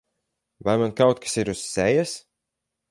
Vai man kaut kas ir uz sejas?